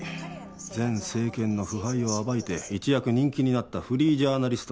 前政権の腐敗を暴いて一躍人気になったフリージャーナリスト。